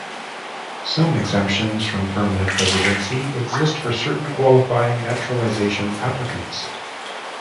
Some exemptions from permanent residency exist for certain qualifying naturalization applicants.